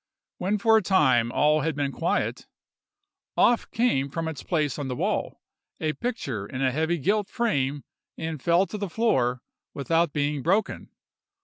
When for a time all had been quiet, off came from its place on the wall, a picture in a heavy gilt frame, and fell to the floor without being broken.